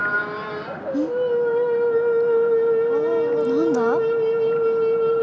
何だ？